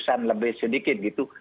dua ratus an lebih sedikit gitu